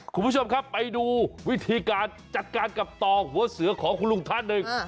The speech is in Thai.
คุณผู้ชมครับไปดูวิธีการจัดการกับต่อหัวเสือของคุณลุงท่านหนึ่ง